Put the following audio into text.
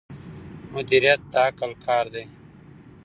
مدیریت د عقل کار دی.